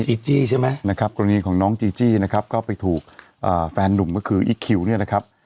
จีจี้ใช่ไหมนะครับกรณีของน้องจีจี้นะครับก็ไปถูกแฟนหนุ่มก็คืออีคคิวเนี่ยนะครับ